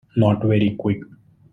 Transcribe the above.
Not very Quick.